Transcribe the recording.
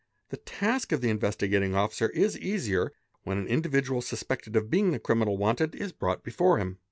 The task of the Investi gating Officer is easier when an individual suspected of being the criminal "wanted" is brought before him.